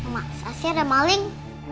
masa sih ada maling